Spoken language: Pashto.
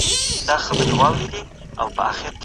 که کټ جوړ کړو نو خوب نه خرابیږي.